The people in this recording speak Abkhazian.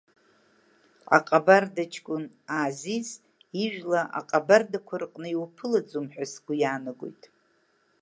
Аҟабарда ҷкәын Аазиз ижәла аҟабардақәа рыҟны иуԥылаӡом ҳәа сгәы иаанагоит.